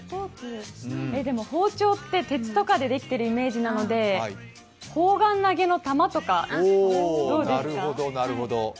でも、包丁って鉄とかでできているイメージなので、砲丸投の球とか、どうですか？